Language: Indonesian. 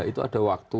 itu ada waktu